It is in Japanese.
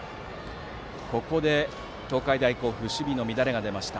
ここで東海大甲府守備の乱れが出ました。